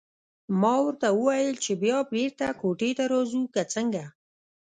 ما ورته وویل چې بیا بېرته کوټې ته راځو که څنګه.